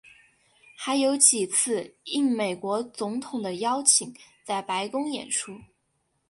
还有几次应美国总统的邀请在白宫演出。